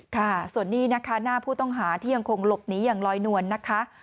ค่ะส่วนนี้นะคะหน้าผู้ต้องหาที่ยังคงหลบหนีอย่างลอยนวลนะคะ